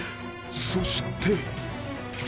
［そして］